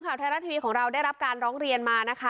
ข่าวไทยรัฐทีวีของเราได้รับการร้องเรียนมานะคะ